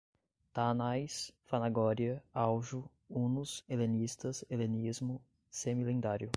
Tánais, Fanagoria, Aujo, hunos, helenistas, helenismo, semilendário